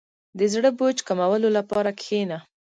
• د زړه بوج کمولو لپاره کښېنه.